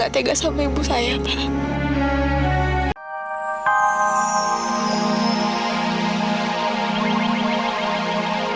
saya gak tahu ibu saya lagi dimana sekarang